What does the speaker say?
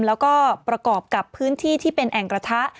แล้วก็ประกอบกับพื้นที่ที่เป็นแอ่งกระทะ